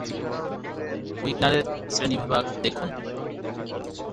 উইগনারের শ্রেণীবিভাগ দেখুন।